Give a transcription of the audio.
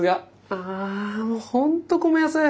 あもう本当こめやさい。